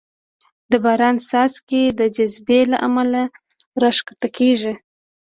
د باران څاڅکې د جاذبې له امله راښکته کېږي.